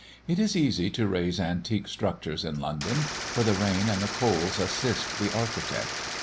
It is easy to raise antique structures in London, for the rain and the coals assist the architect.